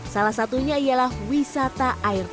salah satunya ialah wiba